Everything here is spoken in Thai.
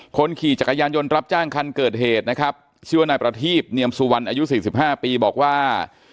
คนขี่จักรยานยนต์รับจ้างคันเกิดเหตุนะครับชื่อว่านายประทีบเนียมสุวรรณอายุ๔๕ปีบอกว่า